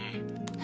何？